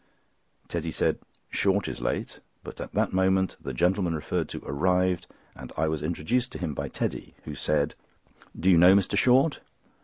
Teddy said: "Short is late," but at that moment the gentleman referred to arrived, and I was introduced to him by Teddy, who said: "Do you know Mr. Short?"